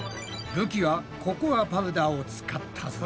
るきはココアパウダーを使ったぞ。